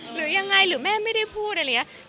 หรือยังไงหรือแม่ไม่ได้พูดอะไรอย่างนี้